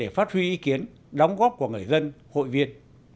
phát huy ý kiến đóng góp của người dân hội viên